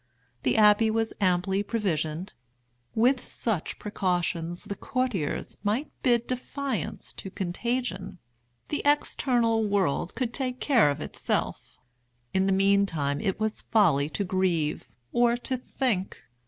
The abbey was amply provisioned. With such precautions the courtiers might bid defiance to contagion. The external world could take care of itself. In the meantime it was folly to grieve, or to think.